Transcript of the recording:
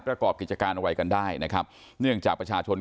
ประกอบกิจการอะไรกันได้นะครับเนื่องจากประชาชน